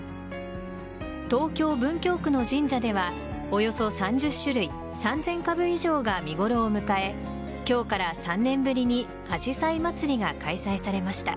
東京・文京区の神社ではおよそ３０種類３０００株以上が見頃を迎え今日から３年ぶりにあじさいまつりが開催されました。